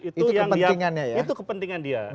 itu kepentingannya ya itu kepentingannya